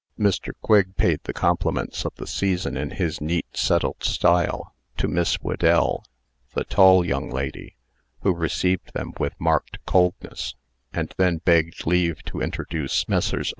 Mr. Quigg paid the compliments of the season in his neat, settled style, to Miss Whedell the tall young lady who received them with marked coldness, and then begged leave to introduce Messrs.